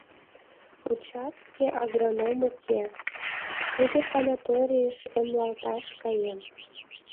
Участке агроном уке, тудо санаторийыш эмлалташ каен.